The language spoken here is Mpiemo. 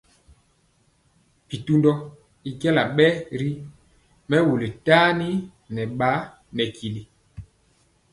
Bitundɔ i jala ɓegi ri mɛwul tani nɛ ɓa nɛ tili.